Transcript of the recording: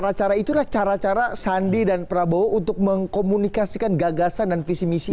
karena cara cara itulah cara cara sandi dan prabowo untuk mengkomunikasikan gagasan dan visi misinya